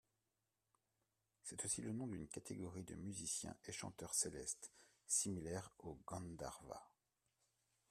C'est aussi le nom d'une catégorie de musiciens et chanteurs célestes similaires aux gandharva.